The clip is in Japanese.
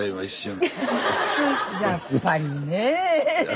やっぱりねえ。